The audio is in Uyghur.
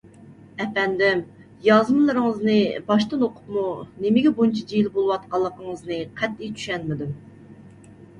ئەپەندىم، يازمىلىرىڭىزنى باشتىن ئوقۇپمۇ نېمىگە بۇنچە جىلە بولۇۋاتقانلىقىڭىزنى قەتئىي چۈشەنمىدىم.